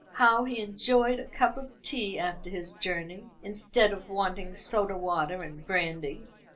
How he enjoyed a cup of tea after his journey, instead of wanting soda water and brandy.